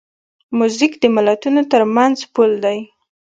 موزیک د ملتونو ترمنځ پل دی.